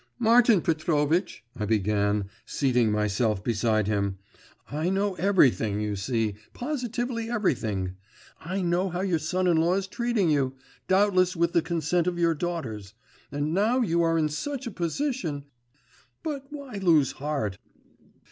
'Martin Petrovitch!' I began, seating myself beside him. 'I know everything, you see, positively everything. I know how your son in law is treating you doubtless with the consent of your daughters. And now you are in such a position.… But why lose heart?